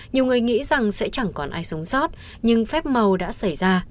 không còn ai sống sót nhưng phép màu đã xảy ra